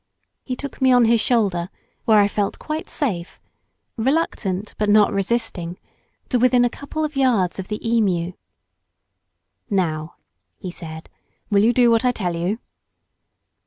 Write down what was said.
He took me on his shoulder, where I felt quite safe, reluctant but not resisting, to within a couple of yards of the emu. "Now," he said, "will you do what I tell you?"